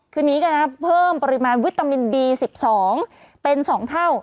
คืนนี้ก็นะเพิ่มปริมาณวิตามินบี๑๒เป็น๒เท่า